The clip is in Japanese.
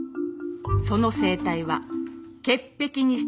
その生態は潔癖にして神経質